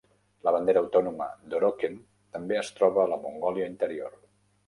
La bandera autònoma d'Oroqen també es troba a la Mongòlia Interior.